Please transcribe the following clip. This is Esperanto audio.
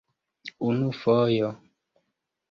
Unu fojo.